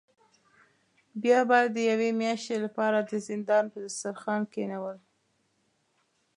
بیا به د یوې میاشتې له پاره د زندان په دسترخوان کینول.